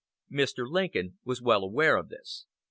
Mr. Lincoln was well aware of this.